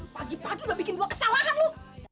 pagi pagi lu bikin dua kesalahan lu